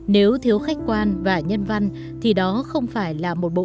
nếu thiếu khách quan và nhân văn thì đó không phải là một bộ